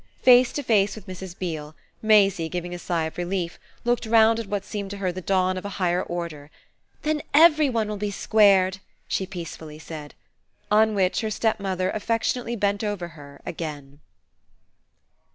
Face to face with Mrs. Beale, Maisie, giving a sigh of relief, looked round at what seemed to her the dawn of a higher order. "Then EVERY ONE will be squared!" she peacefully said. On which her stepmother affectionately bent over her again.